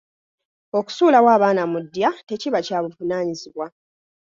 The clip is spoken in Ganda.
Okusuulawo abaana mu ddya tekiba kya buvunaanyizibwa